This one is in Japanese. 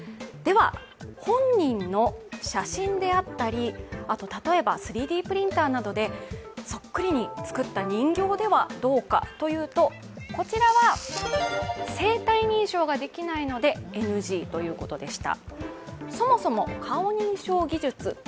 本人の写真であったり、例えば３Ｄプリンターなどでそっくりにつくった人形ではどうかというと、こちらは生体認証ができないのでＮＧということでした。